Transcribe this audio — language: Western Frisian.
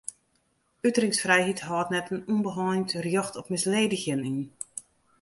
Uteringsfrijheid hâldt net in ûnbeheind rjocht op misledigjen yn.